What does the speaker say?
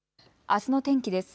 あすの天気です。